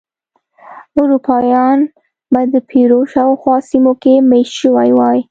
اروپایان به د پیرو شاوخوا سیمو کې مېشت شوي وای.